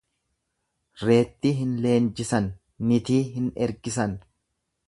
Reettii hin leenjisan, nitii hin ergisan.